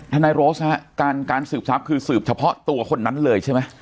นายโรสฮะการสืบทรัพย์คือสืบเฉพาะตัวคนนั้นเลยใช่ไหม